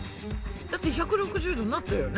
だって１６０℃になったよね？